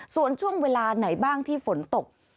ส่วนช่วงเวลาไหนบ้างที่ฝนตก